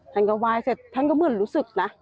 ท่านก็ไหว้เสร็จท่านก็เหมือนรู้สึกนะ